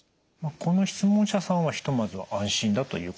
この質問者さんはひとまずは安心だということですね。